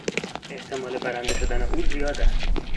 احتمال برنده شدن او زیاد است.